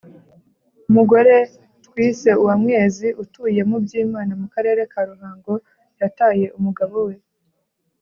umugore twise uwamwezi utuye mu byimana mu karere ka ruhango yataye umugabo we